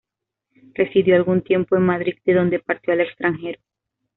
Residió algún tiempo en Madrid de donde partió al extranjero.